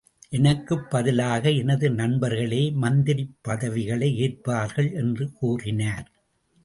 எனக்குப் பதிலாக எனது நண்பர்களே மந்திரிப் பதவிகளை ஏற்பார்கள் என்று கூறினார்.